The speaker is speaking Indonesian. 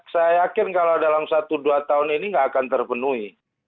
saya yakin kalau dalam satu dua tahun ini tidak akan terpenuhi